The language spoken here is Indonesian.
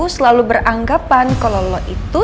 selalu beranggapan kalau lo itu